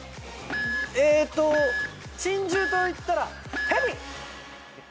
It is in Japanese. えっと珍獣といったら。